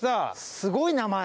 すごい名前。